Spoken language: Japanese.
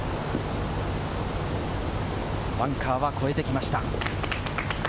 バンカーは越えてきました。